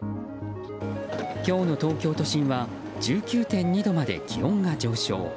今日の東京都心は１９．２度まで気温が上昇。